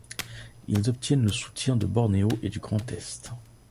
Ils obtiennent le soutien de Bornéo et du Grand Est.